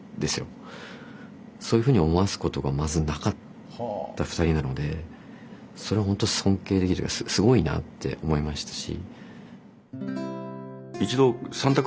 そういうふうに思わすことがまずなかった２人なのでそれは本当尊敬できるすごいなぁって思いましたし。